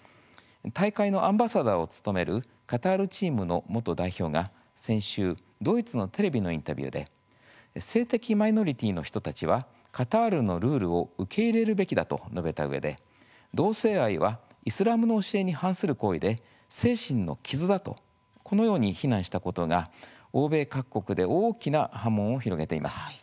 大会のアンバサダーを務めるカタールチームの元代表が、先週ドイツのテレビのインタビューで性的マイノリティーの人たちはカタールのルールを受け入れるべきだと述べたうえで同性愛はイスラムの教えに反する行為で、精神の傷だとこのように非難したことが欧米各国で大きな波紋を広げています。